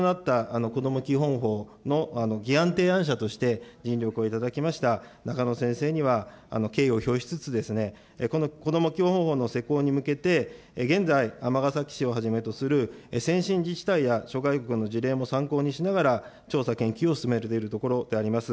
このもととなったこども基本法の議案提案者として尽力をいただきました中野先生には敬意を表しつつ、このこども基本法の施行に向けて、現在、尼崎市をはじめとする先進自治体や諸外国の事例も参考にしながら調査研究を進めているところであります。